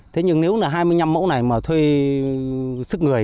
thế nhưng nếu là hai mươi năm mẫu này mà thuê sức người